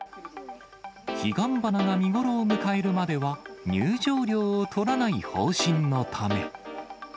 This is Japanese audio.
彼岸花が見頃を迎えるまでは、入場料を取らない方針のため。